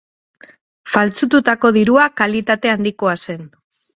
Faltsututako dirua kalitate handikoa zen.